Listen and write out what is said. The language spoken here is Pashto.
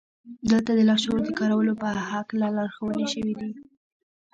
دلته د لاشعور د کارولو په هکله لارښوونې شوې دي